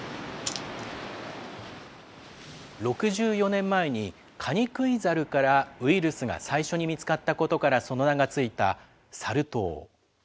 ６４年前に、カニクイザルからウイルスが最初に見つかったことからその名が付いたサル痘。